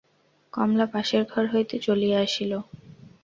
কমলা পাশের ঘর হইতে চলিয়া আসিল।